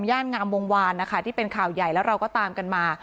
ย่านงามวงวานนะคะที่เป็นข่าวใหญ่แล้วเราก็ตามกันมา